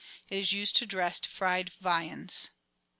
It is used to dress fried viands.